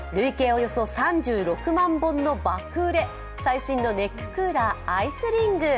およそ３６万本の爆売れ、最新のネッククーラーＩＣＥＲＩＮＧ。